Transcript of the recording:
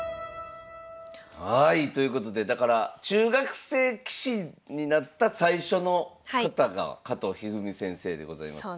はいということでだから中学生棋士になった最初の方が加藤一二三先生でございます。